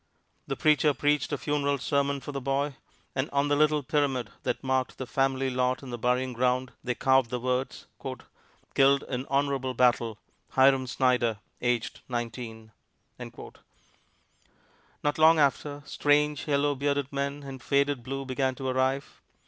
The preacher preached a funeral sermon for the boy, and on the little pyramid that marked the family lot in the burying ground they carved the words: "Killed in honorable battle, Hiram Snyder, aged nineteen." Not long after, strange, yellow, bearded men in faded blue began to arrive.